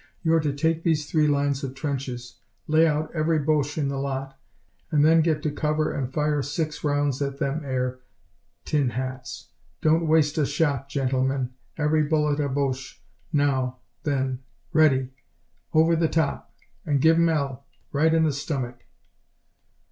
You're to take these three lines of trenches, lay out every Boche in the lot, and then get to cover and fire six rounds at them 'ere tin hats. Don't waste a shot, gentlemen, every bullet a Boche. Now, then, ready over the top, and give 'em 'ell, right in the stomach."